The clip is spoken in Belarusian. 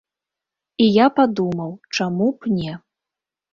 І я падумаў, чаму б не?